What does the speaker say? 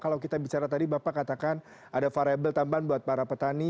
kalau kita bicara tadi bapak katakan ada variable tambahan buat para petani